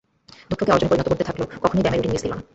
দুঃখকে অর্জনে পরিণত করতে থাকল, কখনোই ব্যয়ামের রুটিন মিস দিল না।